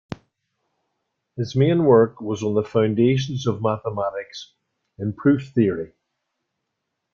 His main work was on the foundations of mathematics, in proof theory.